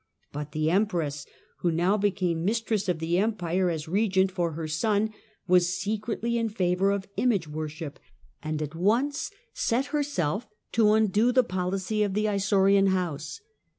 But the Empress, who now became mistress of the Empire as regent for her son, was secretly in favour of image worship, and at once set herself to undo the policy of the Isaurian house.